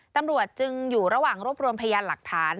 ตำรวจจึงอยู่ระหว่างรวบรวมพยานหลักฐาน